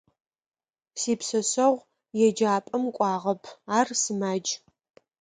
Сипшъэшъэгъу еджапӏэм кӏуагъэп: ар сымадж.